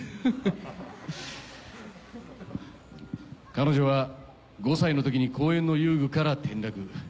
・ハハハ・彼女は５歳の時に公園の遊具から転落。